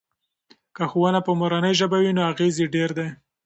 که ښوونه په مورنۍ ژبه وي نو اغیز یې ډیر دی.